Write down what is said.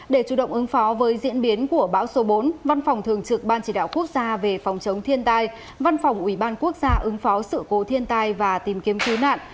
để chủ động ứng phó với diễn biến của bão số bốn văn phòng thường trực ban chỉ đạo quốc gia về phòng chống thiên tai văn phòng ủy ban quốc gia ứng phó sự cố thiên tai và tìm kiếm cứu nạn